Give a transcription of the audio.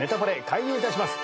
開演いたします。